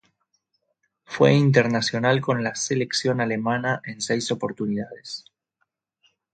Fue internacional con la selección alemana en seis oportunidades.